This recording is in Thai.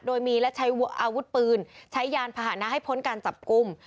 โดยมีและใช้อาวุธปืนใช้ยานพาหนะให้พ้นการจับกลุ่ม